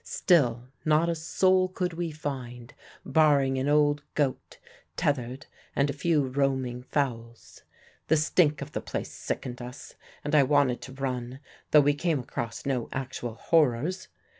Still not a soul could we find, barring an old goat tethered and a few roaming fowls. The stink of the place sickened us, and I wanted to run, though we came across no actual horrors.